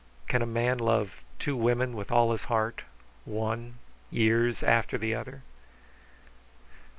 Can a man love two women with all his heart, one years after the other?"